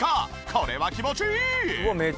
これは気持ちいい！